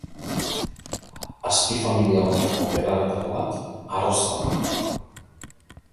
Azpifamilia honetako belarretako bat arroza da.